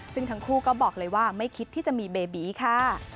ซึ่งทั้งคู่ก็บอกเลยว่าไม่คิดที่จะมีเบบีค่ะ